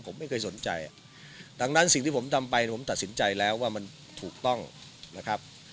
ผมไม่เคยสนใจอ่ะดังนั้นสิ่งที่ผมทำไปผมตัดสินใจแล้วว่ามันถูกต้องนะครับ